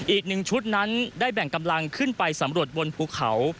อีกหนึ่งชุดนั้นได้แบ่งกำลังขึ้นไปสำรวจบนภูเขา